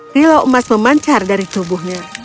pila emas memancar dari tubuhnya